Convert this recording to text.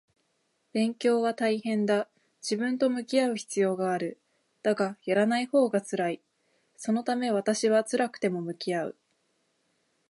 勉強は大変だ。自分と向き合う必要がある。だが、やらないほうが辛い。そのため私は辛くても向き合う